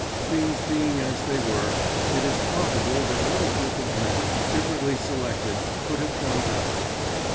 Things being as they were, it is probable that no group of men, differently selected, could have done better.